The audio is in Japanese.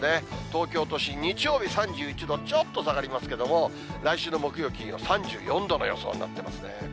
東京都心、日曜日３１度、ちょっと下がりますけれども、来週の木曜、金曜、３４度の予想になってますね。